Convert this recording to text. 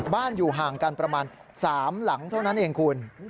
อยู่ห่างกันประมาณ๓หลังเท่านั้นเองคุณ